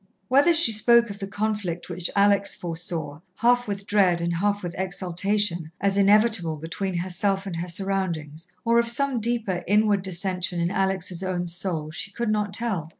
Whether she spoke of the conflict which Alex foresaw, half with dread and half with exultation, as inevitable between herself and her surroundings, or of some deeper, inward dissension in Alex' own soul, she could not tell.